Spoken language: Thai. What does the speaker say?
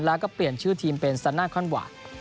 แล้วก็เปลี่ยนชื่อทีมเป็นซาน่าคอนหวา